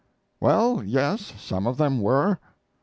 "Well, yes, some of them were."